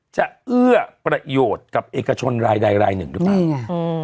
จะเอื้อประโยชน์กับเอกชนรายรายหนึ่งหรือเปล่า